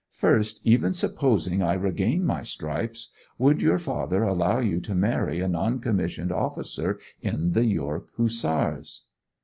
First, even supposing I regain my stripes, would your father allow you to marry a non commissioned officer in the York Hussars?